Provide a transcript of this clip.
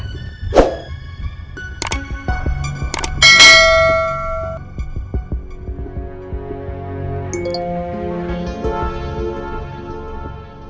tidak ada yang mau